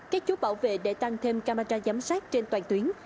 các chốt bảo vệ để tăng thêm camera giám sát trên toàn tuyến